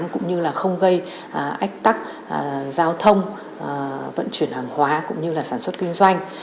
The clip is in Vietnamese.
cũng như không gây ách tắc giao thông vận chuyển hàng hóa cũng như sản xuất kinh doanh